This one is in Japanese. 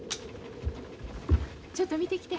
ちょっと見てきて。